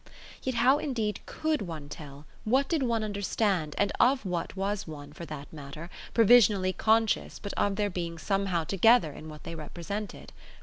Yet how indeed COULD one tell, what did one understand, and of what was one, for that matter, provisionally conscious but of their being somehow together in what they represented?